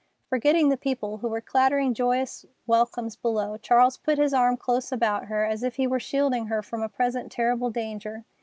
Forgetting the people who were clattering joyous welcomes below, Charles put his arm close about her, as if he were shielding her from a present terrible danger.